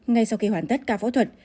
ngay sau khi hoàn tất ca phẫu thuật